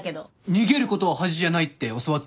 逃げることは恥じゃないって教わったんで。